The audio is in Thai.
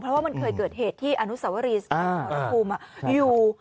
เพราะว่ามันเคยเกิดเหตุที่อนุสวรีสมรภูมิอยู่